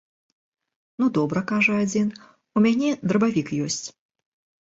Ну, добра, кажа адзін, у мяне драбавік ёсць.